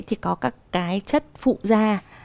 thì có các cái chất phụ da